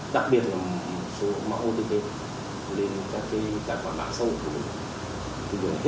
điện thoại địa sĩ